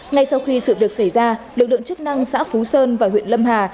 ngay sau khi sự việc xảy ra lực lượng chức năng xã phú sơn và huyện lâm hà